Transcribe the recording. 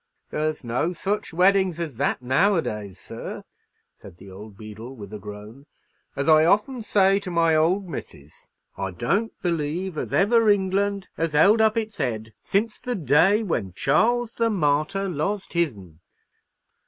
There's no such weddin's as that nowadays, sir," said the old beadle, with a groan. "As I often say to my old missus, I don't believe as ever England has held up its head since the day when Charles the Martyr lost his'n."